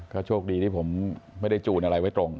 ก็โชคดีที่ผมไม่ได้จูนอะไรไว้ตรง